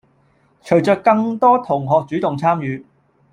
隨著更多同學主動參與